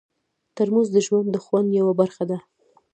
ترموز د ژوند د خوند یوه برخه ده.